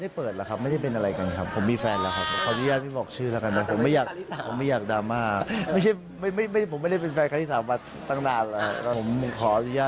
แล้วใครเป็นแฟนตัวจริงของเฟ่อารัก